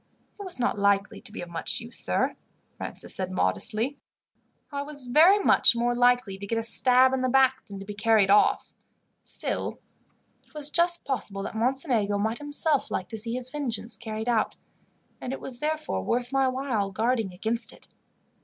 "It was not likely to be of much use, sir," Francis said modestly. "I was very much more likely to get a stab in the back than to be carried off. Still, it was just possible that Mocenigo might himself like to see his vengeance carried out, and it was therefore worth my while guarding against it.